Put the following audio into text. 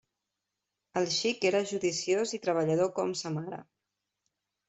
El xic era judiciós i treballador com sa mare.